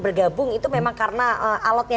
bergabung itu memang karena alatnya